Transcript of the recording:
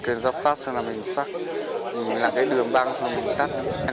cái giọt phát xong là mình phát mình làm cái đường băng xong mình cắt